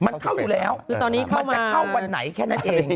มันเข้าอยู่แล้วมันจะเข้าวันไหนแค่นั้นเอง